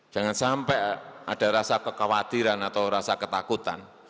jangan sampai ada rasa kekhawatiran atau rasa ketakutan